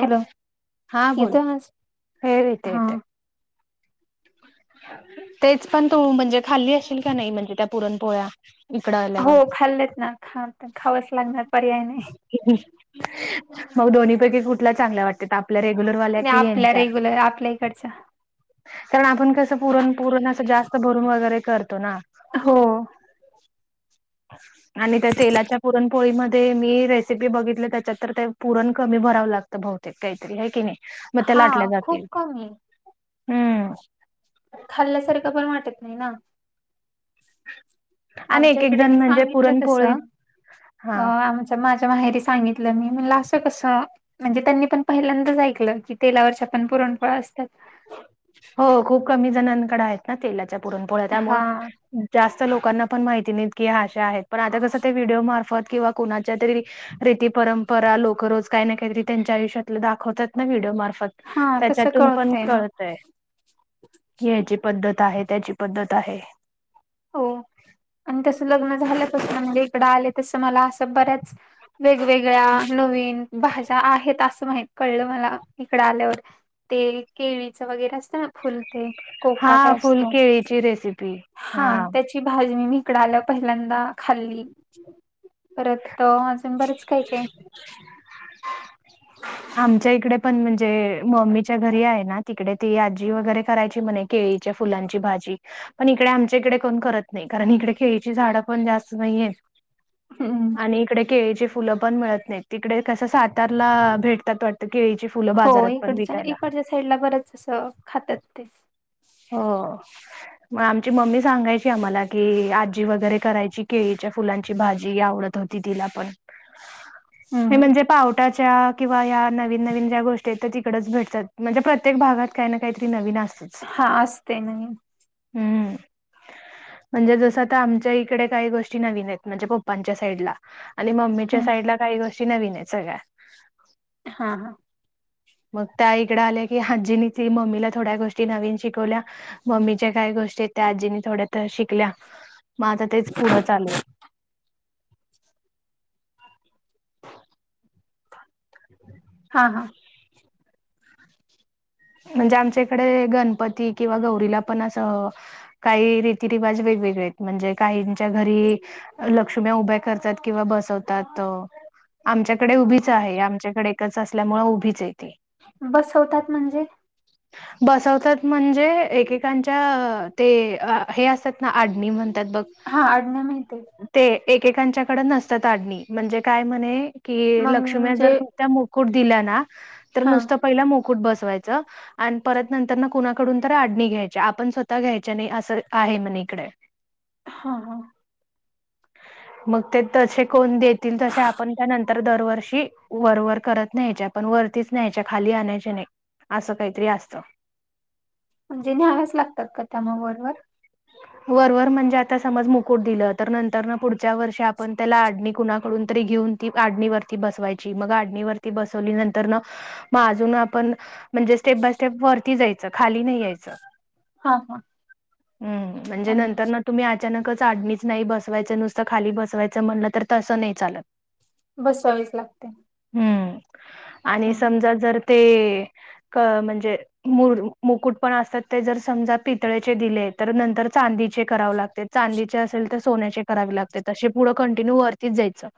Hello येतो आज ह हा रेत ेत तेच पण तो म्हणजे खाल्ली असशेल का नाही म्हणजे त्या पुरण पोळ्या हो खाल्लेत ना ख खावंच लागणार पर्याय नाही मग दोन्हीपैकी कुठला चांगला वाटते र [unintelligible] आपल्या रेग्युलर आपल्या इकडचा [unintelligible] कारण आपण कसं पुरण पुरण असं जास्त भरून वगैरे करतो ना हो [unintelligible] आणि त्या तेलाच्या पुरणपोळीमध्ये मी रेसिपी बघितली त्य च्यात तर ते पुरण कमी भरावं लागत बहतेक काहीतरी आहे की नाही मग त्या हा लाटल्या खूप जातील कमी हम्म खाल्ल्यासारखं पण वाटत नाही ना आणि आमच्या एक एक इकडे जण मी म्हणजे सांगितलं तस अ पुरणपोळी हा आ माझ्या माहेरी सांगितलं मी म्हला असं कसं [unintelligible] म्हणजे त्यांनी पण पहिल्यांदाच ऐकलं की तेलावरच्या पण पुरणपळ असतात हो खूप कमी जणांकड आहेत ना तेलाच्या पुरण पोळ्या त्यामु हा [unintelligible] जास्त लोकांना पण माहिती नाहीत की अशा आहेत पण ता कसं ते व्हिडिओ मार्फत किंवा कोणाच्या तरी रीती परंपरा लोक रोज काय ना काही तरी त्यांच्या आय ष्यातलं दाखवतात ना व्हिडिओ मार्फत हा तसं त्याच्यातून पण मग कळतय याची पद्धत आहे त्याची पद्धत आहे हो आणि तसं लग्न झालं तस म्हणजे इकडं आले तस मला असं बऱ्या वेगवेगळ्या नवीन भाज्या आहेत असं माहित कळलं मला इकड आल्यावर ते केळीच वगैरे असतं ना फुलते कोका काय असतो वळीची रेसिपी हा त्याची भाजी मी भिकड आलं पहिल्यांदा खाल्ली परत प बरंच काय काय आमच्या इकडे पण म्हणजे मम्मीच्या घरी आहे ना तिकडे ती आजी वगैरे करायची म्हणे एक केळीच्या फुलांची भाजी पण इकडे आमच्या इकडे कोण करत नाही कारण इकडे खेळीची झाडं पण जास्त नाहीय आहेत हम्म. आणि इकडे केळीचे फुलं पण मिळत नाहीत तिकडे कस सातारला भेटत त वाटत केळीची फुलं हो बाजारात पण इकडच्या विकायला इकडच्या साईडला बरंच असं खातात ते हो म आमची मम्मी सांगायची आम्हाला की, आजी वगैरे करायची केळीच्या फुलांची भाजी आवडत ति पण हम्म हम्म. म्हणजे पटाच्या किंवा या नवीन नवीन ज्या गोष्टी आहेत तिकडच भेटतात म्हणजे प्रत्येक भागात काही ना काहीतरी नवीन असत हा असते नाही हम्म म्हणजे जस आता आमच्या इकडे काही गोष्टी नवीन आहेत म्हणजे पप्पांच्या साईडला आणिली मम्मीच्या हम्म साईड ला काही गोष्टी नवीन आहे सगळ्या [unintelligible] हा हा मग त्या इकडे आल्या की. हाजीनी ती मम्मीला, थोड्या गोष्टी नवीन शिकवल्या. मम्मीच्या काय गोष्टीयत, त्या आजींनी थोड्यातर शिकल्या. म आता तेच पुढं चालूय. [inaudible] हां, हा. म्हणजे आमच्या इकडे, गणपती किंवा गौरीला पण असं काही रीतीरिवाज वेगवेगळेयत. म्हणजे काहींच्या घरी लक्ष्म्या उभ्या करतात किंवा बसवतात. आमच्याकडे उभीच आहे. आमच्याकडे एकच असल्यामुळे उभीचय ती. बसवतात म्हणजे? बसवतात म्हणजे, एकेकांच्या ते हे असतात ना. आडणी म्हणतात बघ. हा, आडण्या माहितेय. ते एकेकांच्याकड नसतात, आडणी. म्हणजे काय म्हणे कि मग लक्ष्म्या जर म्हणजे त्या मुकुट दिल्या ना. तर हा नुसत पहिल मुकुट बसवायच. आन परत नंतर ना, कुणाकडून तर आडणी घ्यायची. आपण स्वतः घ्यायच्या नाही. असं आहे म्हण इकडे. हा, हा. मग ते तसे कोण? देतील तश्या, आपण त्यानंतर दरवर्षी वरवर करत न्या. पण वरतीच न्यायच्या. खाली आणायच्या नाही. असं काहीतरी असतं. म्हणजे न्याहाव्याच लागतात का? त्या मग वरवर. वरवर म्हणजे आता समज, मुकुट दिलं. तर नंतर ना पुढच्या वर्षी आपण त्याला. आडणी कुणा कडून तरी घेऊन, ती आडणीवरती बसवायची. मग आडणीवरती बसवली नंतरन मग अजून आपण. म्हणजे, स्टेप बाय स्टेप वरती जायचं. खाली नाही यायचं. हा, हा. हम्म, म्हणजे अलमोस्ट नंतरन तुम्ही अचानकच आडणीच नाय, बसवायचं. नुसतं खाली बसवायचं म्हणलं. तर तसं नाई चालत. बसवावीच लागतंय. हम्म. आणि समजा जर ते क म्हणजे, मुर- मुकुट पण असतात. ते जर समजा, पितळेचे दिलेत. तर नंतर चांदीचे करावं लागतेत. चांदीचे असेल तर सोन्याचे करावे लागतेत. असे पुढं कंटिन्यू वरतीच जायचं.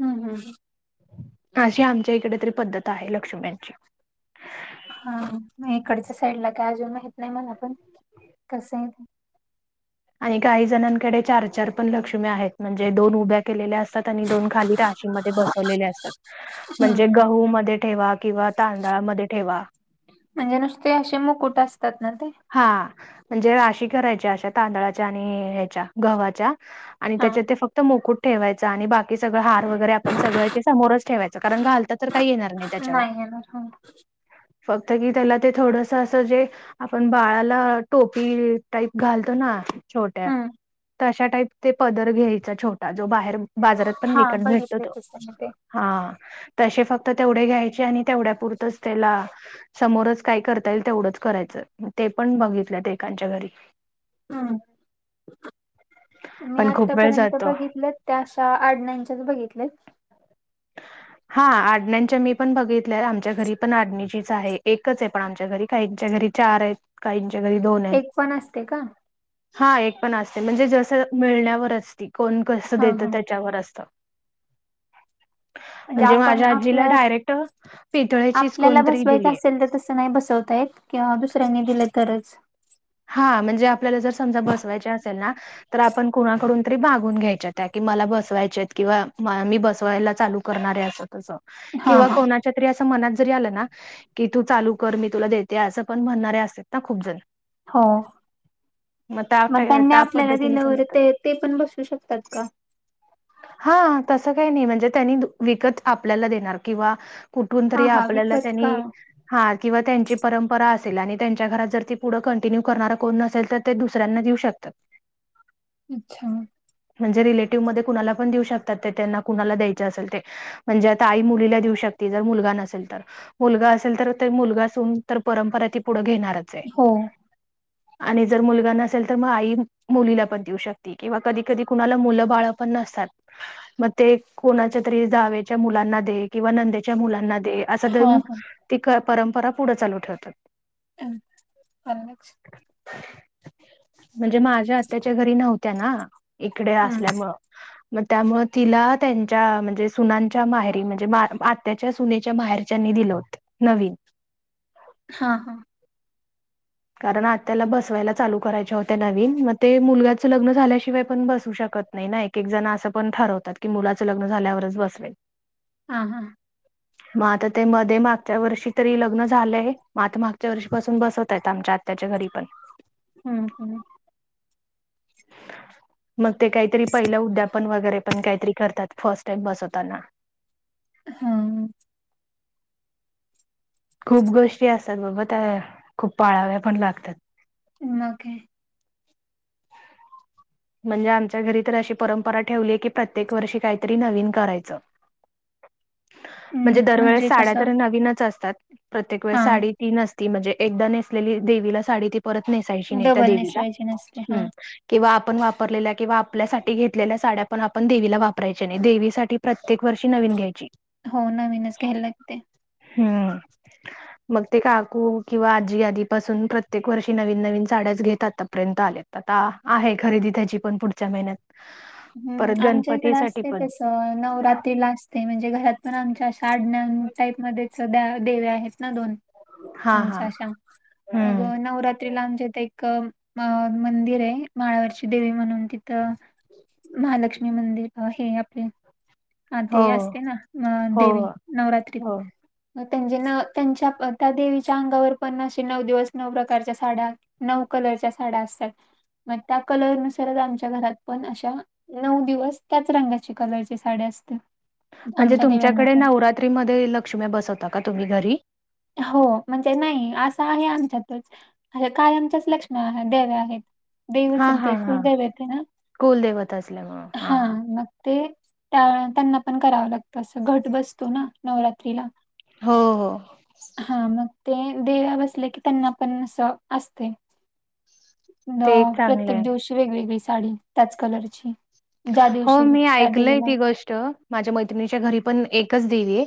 हं, हं, हं. अशी आमच्या इकडे तरी पद्धत आहे. लक्ष्म्यांची. हा. इकडच्या साईडला काय अजून माहित नाही, मला पण. कसंय ते. आणि काही जणांकडे चार - चार पण लक्ष्म्या आहेत. म्हणजे दोन उभ्या केलेल्या असतात दोन खाली राशी मध्ये बसवले असतात. हम्म म्हणजे हम्म. गहू मध्ये ठेवा किंवा तांदळामध्ये ठेवा. म्हणजे नुसते असे मुकुट असतात ना ते हा. म्हणजे राशी करायच्या. अशा तांदळाच्या आणि हेच्या गव्हाच्या. आणि हा त्याच्यात ते फक्त मुकुट ठेवायचं. आणि बाकी सगळं हात त वगैरे आपण सगळं इथे समोरच ठेवायचं. कारण घालता तर काय येणार नाय, त्याच्यावर. नाही येणार हा फक्त की तेला ते थोडसं, असं जे आपण बाळाला टोपी टाईप घालतो ना, छोट्या. हम्म तशा टाईप ते, पदर घ्यायचा छोटा. जो बाहेर बाजारात पण हा विकत भेटतो बघितले तो. तसं मी ते हां. तशे फक्त तेवढे घ्यायचे. आणि तेवढ्या पुुरतच तेला समोरच काय करता येईल, तेवढंच करायचं. ते पण बघितलं ते एकांच्या घरी. हम. मी पण खूप वेळ आतापर्यंत जातो बघितलेत. त्या अशा आडण्यांच्यात बघितलेत. [inaudible] हा, आडण्यांच्या मी पण बघितल्या. आमच्या घरी पण आडणीचीच आहे. एकच आहे पण आमच्या घरी. काहीच्या घरी चारयत. काहींच्या घरी दोनयत. एक पण आसते का? हा एक पण असते. म्हणजे जस मिळण्यावर असती. कोण कसं हा हा देत? त्या च्यावर असतं. म्हणजे आपण माझ्या आजीला आपल्या डायरेक्ट पितळेचीच कोणतरी दिलीये. नाय बसवतायेत किंवा दुसऱ्यांनी दिल तरच. हां म्हणजे आपल्याला जर समजा बसवायची असेल ना. तर आपण कुणाकडून तरी भागून घ्यायच्या त्या कि, मला बसवायच्या किंवा मी बसवायला चालू करणारे असं तसं.. हा किंवा हा कोणा च्या तरी असं मनात जरी आलं ना की, तू चालू कर मी तुला देते असं पण म्हणारे असेत ना खूपजण. हो त्या मग टा त्यांनी त्या आपल्याला पद्धतीने पण दिलंवर येतात. ते -ते पण बसवू शकतात का? हा तसं काही नाही म्हणजे त्यांनी विकत आपल्याला देणार किंवा कुठून तरी हा हा आपल्याला विकत का त्यांनी हा किंवा त्यांची परंपरा असेल आणि त्यांच्या घरात जर ती पुढं कन टिन्यू करणार कोण नसेेल तर ते दुसऱ्यांना दिऊ शकतात. अच्छा. म्हणजे रिलेटिव्ह मध्ये कुणाला पण दिवू शकतात ते त्यांना कुणाला द्यायचं असेल ते. म्हणजे आता आई मुलीला देऊ शकते, जर मुलगा नसेल तर‌. मुलगा असेल तर ते मुलगा सून तर परंपरा ती पुढं घेणारच. आहे हो. आणि जर मुलगा नसेल, तर मग आई मुलीला पण देऊ शकते. किंवा कधी -कधी कुणाला मुलं बाळ पण नसतात. म ते कोणाच्या तरी जावेच्या मुलांना दे, किंवा नंदेच्या मुलांना दे. असं हा देऊन हा ती क -परंपरा पुढं चालू ठेवतात. अं.. आम्हीच [unintelligible] म्हणजे माझ्या आत्याच्या घरी नव्हत्या ना इकडे हम्म असल्यामुळं. म त्यामुळं तिला त्यांच्या म्हणजे सुनांच्या माहेरी म्हणजे मा - आत त्याच्या सुनेच्या माहेरच्यांनी दिलं होत नवीन. हा -हा. कारण आत्याला बसवायला चालू करायच्या होत्या नवीन, मग ते मुलग्याचं लग्न झाल्याशिवाय पण बसवू शकत नाही ना. एकेकजण असं पण ठरवतात की मुलाचं लग्न झाल्यावरच बसवेन. आ- हां. मग आ ते मध्ये मागच्या वर्षी तरी लग्न झालंय, मग तर मागच्या वर्षीपासून बसत त्यात आमच्या आत्याच्या घरी पण. हम्म -हम्म. मग ते कायतरी पहिलं उद्यापन वगैरे पण कायतरी करतात फर्स्ट टाइम बसवताना. हम्म.... खूप गोष्टी असत्यात बाबा त्या, खूप पाळाव्या पण लागतात. नखे म्हणजे आमच्या घरी तर अशी परंपरा ठेवलीय, की प्रत्येक वर्षी काहीतरी नवीन करायचं. हम्म म्हणजे दरवेळेस साड्या कसं तर नवीनच असतात, प्रत्येकवेळी हा साडी ती नसती म्हणजे एकदा नेसलेली देवीला साडी ती परत नेसायची नाय त्या डबल देवीला, नेसवायची नसते हा हम्म किंवा आप पण वापरलेल्या किंवा आपल्यासाठी घेतलेल्या साड्या पण आपण देवीला वापरायच्या नाइत देवीसाठी प्रत्येक वर्षी नवीन घ्यायची. हो नवीनच घ्यायला लागते. हम्म... मग ते काकू किंवा आजी आधीपासून प्रत्येक वर्षी नवीन -नवीन साड्याच घेत आतापर्यंत आल्यात. आता आहे खरेदी त्याची पण पुढच्या महिन्यात, परत गणपतीसाठी पण. नवरातीला असते, म्हणजे घरात पण आमच्या आडण्यान टाईपमध्ये च देव्या आहेत ना दोन, हा उंच हा अशा मग हम्म. नवरात्रीला आमच्या इथ एक अ मं मंदिरेय माळवरची देवी म्हणून तिथं. महालक्ष्मी मंदिर हे आपले. हा हो, ते असते ना हो, देवी नवरात्रीत. हो. म त्याजी न- त्यांच्या त्या देवीच्या अंगावर पण अशे नऊ दिवस नऊ प्रकारच्या साड्या नऊ कलरच्या साड्या असतात मग त्या कलरनुसारच आमच्या घरात पण नऊ दिवस त्याच रगाच्या कलरची साडी असते. म्हणजे आमच्या देव्यांना तुमच्याकडे पण नवरात्रीमध्ये लक्ष्मी बसवता का तुम्ही घरी. हो म्हणजे नाही असं आहे आमच्यातच अे काय आमच्याच लक्ष्मा आहे देवे आहेत. देवच य हां, ते हां, हां. कुलदेव येते ना कुलदैवत असल्यामुळं. हा हां. मग ते त्या त्यांना पण करावं लागतं असं घट बसतो ना नवरात्रीला हो हो हा मग ते देवा बसले की त्यांना पण असं असते. ते एक चांगलं प्रत्येक आहे. दिवशी वेगवेगळी साडी त्याच कलरची ज्या हो, दिवशी मी त्या ऐकलंय देवीला ती गोष्ट. माझ्या मैत्रिणीच्या घरी पण एकच देवी आहे.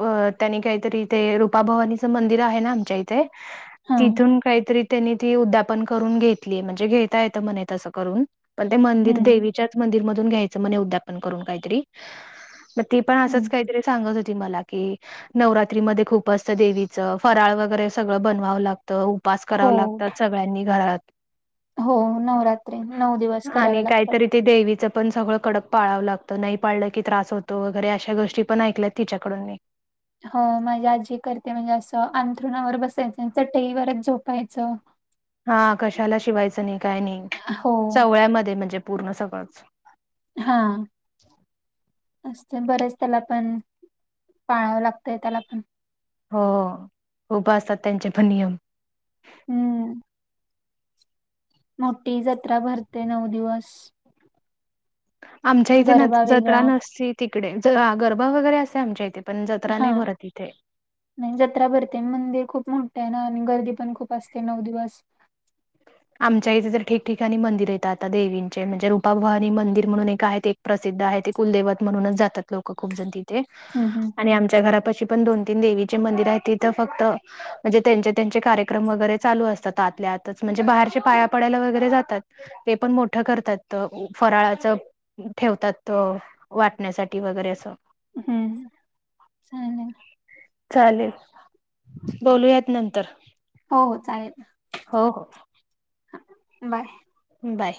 अ त्यांनी काहीतरी ते रुपाभवानीचं मंदिर आहे ना आमच्या इथं हा तिथून काहीतरी त्यांनी उद्यापन करून घेतली म्हणजे घेता येत म्हणजे ते करून पण ते मंदिर दे हम्म त्याच मंदिर मधून त्याच्यामध्ये उद्यापन करून काहीतरी ती पण असं हम्म सांगत होती मला की नवरात्रीमध्ये खूप असतं देवीचं फराळ वगैरे सगळं बनवावं लागतं. तर उपवास हो करावं लागतात सगळ्यांनी घरात हो नवरात्री नऊ दिवस आणि करावे लागतात. काहीतरी ते देवीचं पण सगळं कडक पाळावं लागतं नाही पाळलं की त्रास होतो वगरे अशा गोष्टी पण ऐकल्यात तिच्याकडूनी हो माझी आजी करते म्हणजे असं अंथरुणावर बसायचंचं चटईवरच झोपायचं. हा कशाला शिवायचं नाही काय नाही हो सवळ्यामध्ये म्हणजे पूर्ण सगळंच हा असतं बरेच त्याला पण पाळावं लागतंय त्याला पण हो खूप असतात त्यांचे पण नियम हम्म मोठी जत्रा भरते नऊ दिवस आमच्या इथे गरबा वेगळा जत्रा नसती. तिकडे गरबा वगैरे असे आमच्या इथे पण जत्रा हा नाही भरत इथे नाही जत्रा भरते मंदिर खूप मोठे आहे ना आणि गर्दी पण खूप असते नऊ दिवस रीकाम आहे आमच्या इथे तर ठिकठिकाणी मंदिर येत आता देवींचे म्हणजे रूपाभवानी मंदिर म्हणून एक आहेत एक प्रसिद्ध आहे ते कुलदेवत म्हणूनच जातात लोक खूप जण तिथे हम्म हम्म आणि आमच्या घरापशी पण दोन तीन देवीचे मंदिर आहे तिथं फक्त म्हणजे त्यांचे त्यांचे कार्यक्रम वगैरे चालू असतात आतल्या आत म्हणजे बाहेरचे पाया पडायला वगैरे जातात ते पण मोठं करतात फराळाचं ठेवतात त वाटण्यासाठी वगैरे असं हम्म चालेल चालेल बोलूयात नंतर हो हो चालेल हो हो बाय बाय